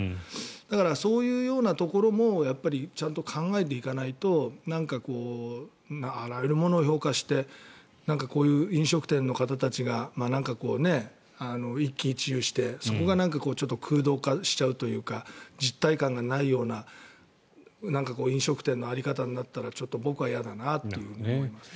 だから、そういうところもちゃんと考えていかないとあらゆるものを評価してなんかこういう飲食店の方たちが一喜一憂してそこがちょっと空洞化しちゃうというか実態感がないような飲食店の在り方になったらちょっと僕は嫌だなと思います。